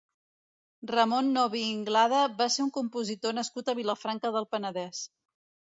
Ramón Novi Inglada va ser un compositor nascut a Vilafranca del Penedès.